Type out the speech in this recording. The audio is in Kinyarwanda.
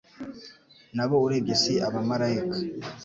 Na bo urebye si abamalayika